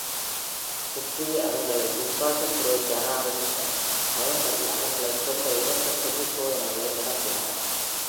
Shukri அவர்களை விசுவாசதுரோகியாக அறிவித்தார், நவம்பரில், அவர்களைக் கொல்ல இரண்டு திடீர்சோதனைகளை நடத்தினார்.